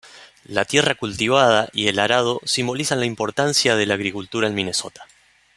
La tierra cultivada y el arado simbolizan la importancia de la agricultura en Minnesota.